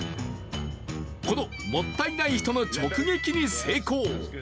このもったいない人の直撃に成功。